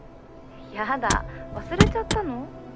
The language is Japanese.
やだ忘れちゃったの？